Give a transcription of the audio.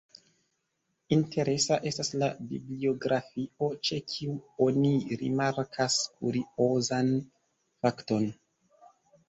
Interesa estas la bibliografio, ĉe kiu oni rimarkas kuriozan fakton.